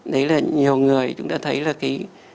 đấy là nhiều người chúng ta thấy là cái